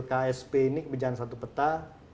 ksp ini kebijakan satu peta